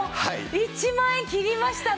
１万円切りましたね。